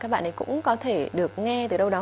các bạn ấy cũng có thể được nghe từ đâu đó